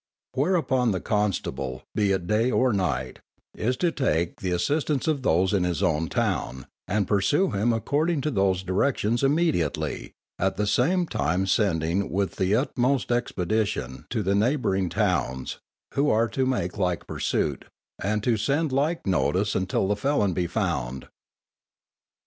Whereupon the constable, be it day or night, is to take the assistance of those in his own town, and pursue him according to those directions immediately, at the same time sending with the utmost expedition to the neighbouring towns, who are to make like pursuit, and to send like notice until the felon be found.